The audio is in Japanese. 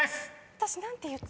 私何て言った？